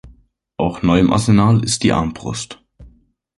Auch neu im Arsenal ist die Armbrust.